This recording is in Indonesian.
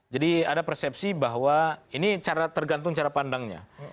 jadi ada persepsi bahwa ini tergantung cara pandangnya